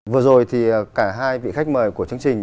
vừa rồi thì cả hai vị khách mời của chương trình